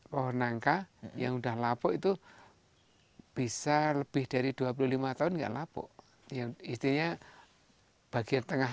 pohon nangka yang muda lapuk itu bisa lebih dari dua puluh lima tahun nggak lapu yang istinya bahagia tengah